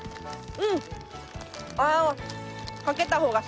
うん！